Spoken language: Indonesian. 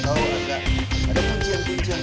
kalau enggak ada kuncian kuncian